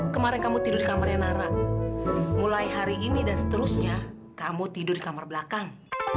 kemarin kamu tidur di kamarnya nara mulai hari ini dan seterusnya kamu tidur di kamar belakang